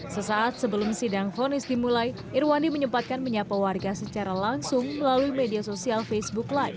sesaat sebelum sidang fonis dimulai irwandi menyempatkan menyapa warga secara langsung melalui media sosial facebook live